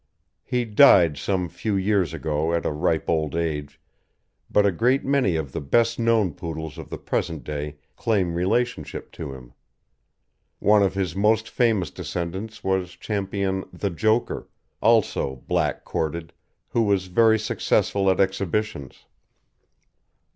He died some few years ago at a ripe old age, but a great many of the best known Poodles of the present day claim relationship to him. One of his most famous descendants was Ch. The Joker, also black corded, who was very successful at exhibitions.